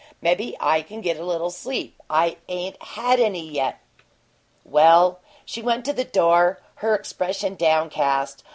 Maybe I can get a little sleep. I ain't had any yet!" "Well " She went to the door, her expression downcast.